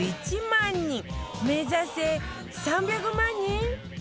目指せ３００万人！？